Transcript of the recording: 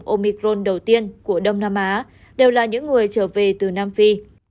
ca nhiễm omicron đầu tiên của đông nam á đều là những người trở về từ nam phi